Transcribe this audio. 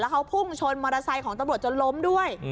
เขาพุ่งชนมอเตอร์ไซค์ของตำรวจจนล้มด้วย